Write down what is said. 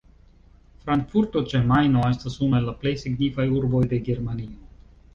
Frankfurto ĉe Majno estas unu el la plej signifaj urboj de Germanio.